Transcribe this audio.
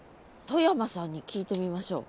外山さんに聞いてみましょう。